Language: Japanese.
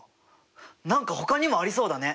何かほかにもありそうだね？